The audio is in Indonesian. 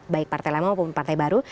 baik partai lama maupun partai baru